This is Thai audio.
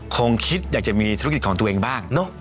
คงคิดอยากจะมีธุรกิจของตัวเองบ้างเนอะ